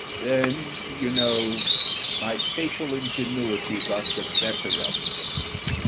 Then, you know, my fatal ingenuity got the better of me.